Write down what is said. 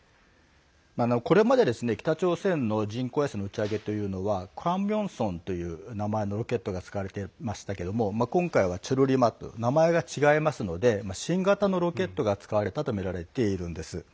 これまで、北朝鮮の人工衛星の打ち上げというのはクァンミョンソンという名前のロケットが使われていましたが今回はチョルリマと名前が違いますので新型のロケットが使われたとみられているんです。